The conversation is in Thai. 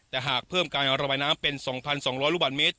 แต่หากเพิ่มการระบายน้ำเป็น๒๒๐๐ลูกบาทเมตร